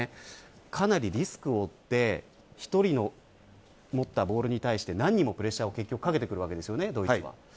かなり、リスクを負って１人の持ったボールに対して何人もプレッシャーをかけてくるわけです。